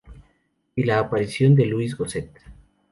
Y la aparición de Louis Gossett Jr.